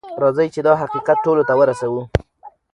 راځئ چې دا حقیقت ټولو ته ورسوو.